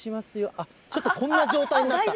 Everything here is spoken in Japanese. あっ、ちょっとこんな状態になった。